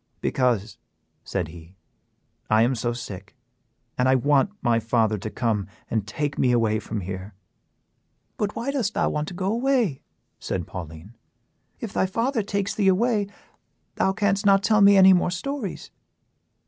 "Because," said he, "I am so sick, and I want my father to come and take me away from here." "But why dost thou want to go away?" said Pauline. "If thy father takes thee away, thou canst not tell me any more stories."